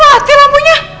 loh kok mati lampunya